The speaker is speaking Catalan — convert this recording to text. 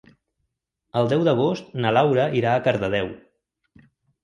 El deu d'agost na Laura irà a Cardedeu.